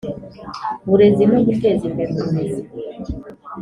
Burezi no guteza imbere uburezi